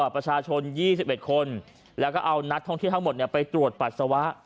ประชาชนยี่สิบเอ็ดคนแล้วก็เอานัดห้องที่ทั้งหมดเนี้ยไปตรวจปรัสสาวะ